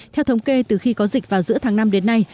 theo thống kê từ khi có dịch vào giữa tháng năm đến nay